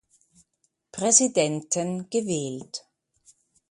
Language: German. Präsidenten gewählt.